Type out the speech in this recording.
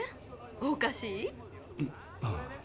おかしい？